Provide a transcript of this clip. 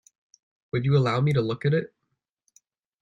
Would you allow me to look at it?